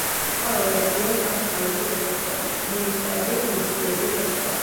ყოველ რეგიონს აქვს თავისი რესურსები, მონსტრები, მისიები და სხვა.